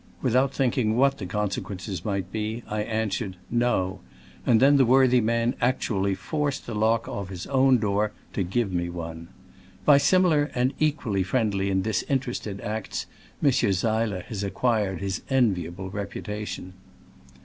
Without thinking what the consequences might be, ' I answered, •*No;" and then the worthy man actu ally forced the lock off his own door to give me one. By similar and equally friendly and disinterested acts Monsieur Seiler has acquired his enviable repu tation.